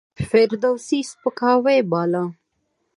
فردوسي سپکاوی باله.